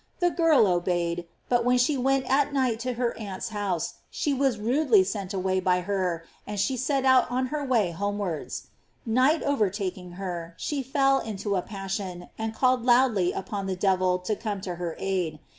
The girl obeyed, but when she went at night to her aunt's house, she was rudely sent away by her, and she set out on her way homewards. Night overtaking her, she fell into a passion, and called loudly upon the devil to come to her aid.